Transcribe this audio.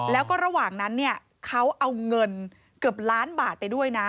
แล้วก็ระหว่างนั้นเนี่ยเขาเอาเงินเกือบล้านบาทไปด้วยนะ